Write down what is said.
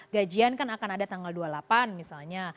gajian kan akan ada tanggal dua puluh delapan misalnya